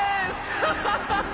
アハハハハ！